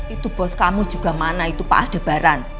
itu bos kamu juga mana itu pak debaran